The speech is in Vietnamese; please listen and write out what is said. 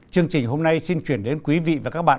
chương trình hôm nay xin chuyển đến quý vị